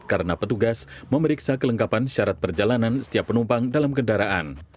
karena petugas memeriksa kelengkapan syarat perjalanan setiap penumpang dalam kendaraan